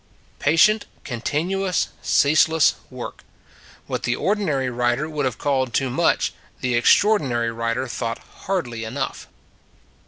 Patient, continuous, ceaseless work. What the ordinary writer would have called too much the extraordinary writer thought hardly enough.